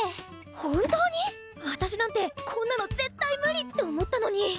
本当に⁉私なんてこんなの絶対無理って思ったのに。